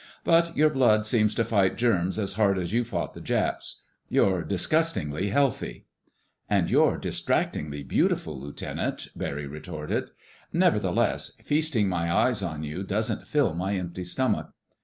But your blood seems to fight germs as hard as you fought the Japs. You're disgustingly healthy." "And you're distractingly beautiful, Lieutenant!" Barry retorted. "Nevertheless, feasting my eyes on you doesn't fill my empty stomach.